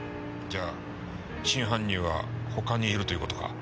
じゃあ真犯人は他にいるという事か？